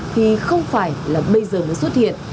thì không phải là bây giờ mới xuất hiện